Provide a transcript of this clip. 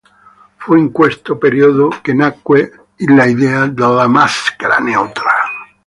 Fu in questo periodo che nacque l'idea della maschera neutra.